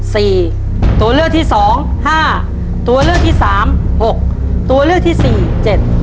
ตัวเลือกที่สองห้าตัวเลือกที่สามหกตัวเลือกที่สี่เจ็ด